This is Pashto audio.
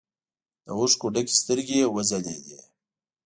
له اوښکو ډکې سترګې يې وځلېدې.